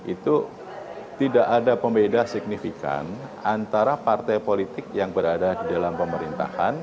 itu tidak ada pembeda signifikan antara partai politik yang berada di dalam pemerintahan